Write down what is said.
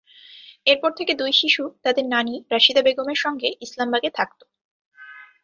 এরপর থেকে দুই শিশু তাদের নানি রাশিদা বেগমের সঙ্গে ইসলামবাগে থাকত।